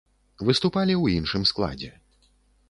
Выступалі ў іншым складзе.